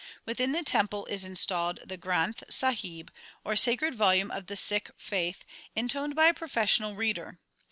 Within the temple is installed the Granth Sahib, or sacred volume of the Sikh faith, intoned by a pro fessional reader.